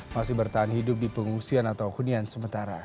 masih bertahan hidup di pengungsian atau hunian sementara